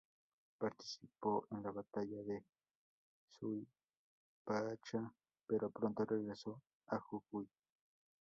Participó en la batalla de Suipacha, pero pronto regresó a Jujuy.